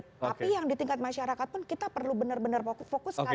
tapi yang di tingkat masyarakat pun kita perlu benar benar fokuskan